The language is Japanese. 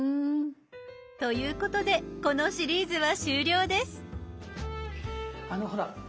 ということでこのシリーズは終了です。